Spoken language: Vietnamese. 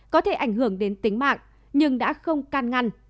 có thể ảnh hưởng đến tính mạng nhưng đã không can ngăn